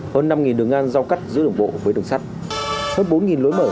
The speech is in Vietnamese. hơn năm đường ngang giao cắt giữa đường bộ với đường sắt hơn bốn lối mở